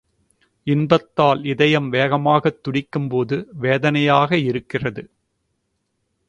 இன்பத்தால் இதயம் வேகமாகத் துடிக்கும் போது வேதனையாக இருக்கிறது.